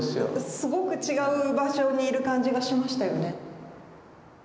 すごく違う場所にいる感じがしましたよね。